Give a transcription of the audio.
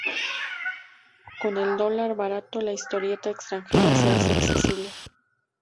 Con el dólar barato la historieta extranjera se hace accesible.